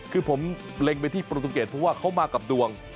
คือผมเล็งไปที่โปรตูเกตเพราะว่าเขามากับดวง